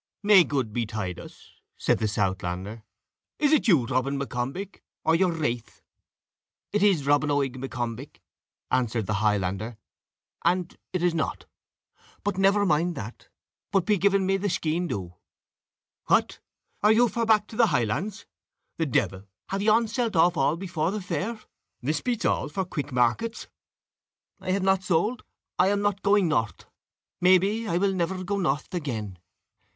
"May good betide us," said the Southlander. "Is this you, Robin M'Combich, or your wraith?" "It is Robin Oig M'Combich," answered the Highlander, "and it is not. But never mind that, put pe giving me the skene dhu." "What! you are for back to the Highlands. The devil! Have yon selt all off before the fair? This beats all for quick markets." "I have not sold I am not going north. May pe I will never go north again.